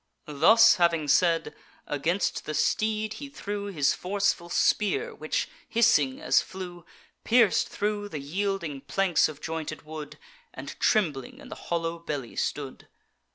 Thus having said, against the steed he threw His forceful spear, which, hissing as it flew, Pierc'd thro' the yielding planks of jointed wood, And trembling in the hollow belly stood.